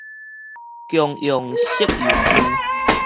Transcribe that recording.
共融式遊具